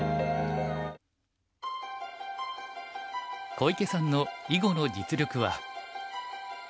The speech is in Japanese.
小池さんの囲碁の実力は。